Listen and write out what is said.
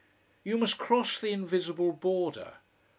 You must cross the invisible border.